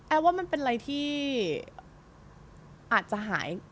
ว่ามันเป็นอะไรที่อาจจะหาย